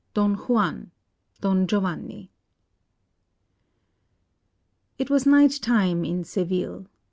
DON JUAN (Don Giovanni) It was night time in Seville.